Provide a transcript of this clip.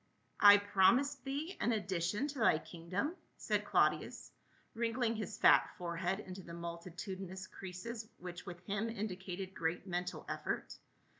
" I promised thee an addition to thy kingdom ?" said Claudius, wrinkling his fat forehead into the mul titudinous creases which with him indicated great mental effort.